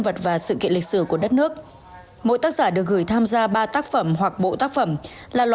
vật và sự kiện lịch sử của đất nước mỗi tác giả được gửi tham gia ba tác phẩm hoặc bộ tác phẩm là